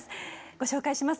ご紹介します。